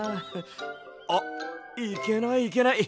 あっいけないいけない。